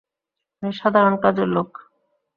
উনি সাধারণ কাজের লোক।